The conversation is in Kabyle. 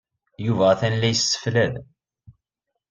Yuba atan la yesseflad.